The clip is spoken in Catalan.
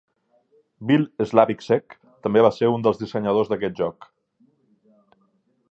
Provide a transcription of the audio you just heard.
Bill Slavicsek també va ser un dels dissenyadors d'aquest joc.